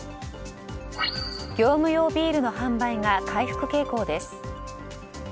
業務用ビールの販売が回復傾向です。